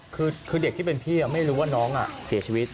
คือเด็กที่เป็นพี่ไม่รู้ว่าน้องเสียชีวิต